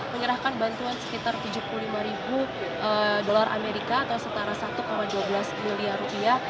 menyerahkan bantuan sekitar tujuh puluh lima ribu dolar amerika atau setara satu dua belas miliar rupiah